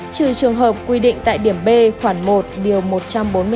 trừ trường hợp quy định tại điểm b khoảng một